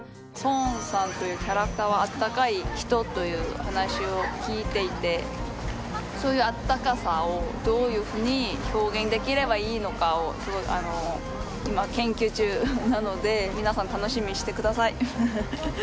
宋さんというキャラクターはあったかい人という話を聞いていてそういうあったかさをどういうふうに表現できればいいのかをすごい今研究中なので皆さん楽しみにしてください